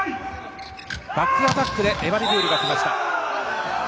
バックアタックでエバディプールがきました。